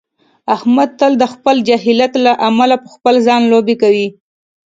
احمد تل د خپل جاهلیت له امله په خپل ځان لوبې کوي.